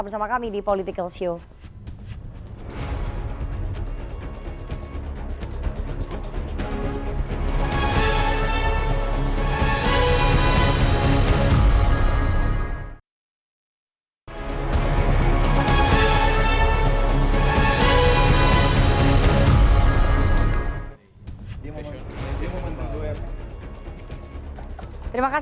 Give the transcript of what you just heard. gak tau ya